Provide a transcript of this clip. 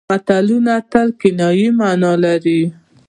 متلونه تل کنايي مانا لري